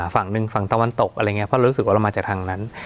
ฝั่งหนึ่งฝั่งตะวันตกอะไรอย่างนี้เพราะรู้สึกว่าเรามาจากทางนั้น